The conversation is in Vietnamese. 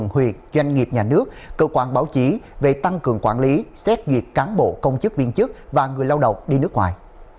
huyện doanh nghiệp nhà nước cơ quan báo chí về tăng cường quản lý xét duyệt cán bộ công chức viên chức và người lao động đi nước ngoài